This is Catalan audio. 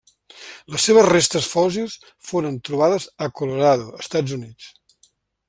Les seves restes fòssils foren trobades a Colorado, Estats Units.